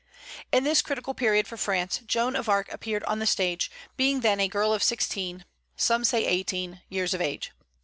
In this critical period for France, Joan of Arc appeared on the stage, being then a girl of sixteen (some say eighteen) years of age.